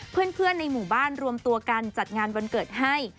เพื่อนในหมู่บ้านรวมตัวกันจัดงานวันเกิดให้